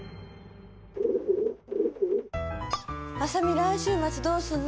来週末どうすんの？